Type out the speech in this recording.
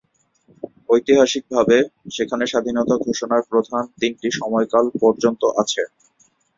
ঐতিহাসিকভাবে, সেখানে স্বাধীনতা ঘোষণার প্রধান তিনটি সময়কাল পর্যন্ত আছে।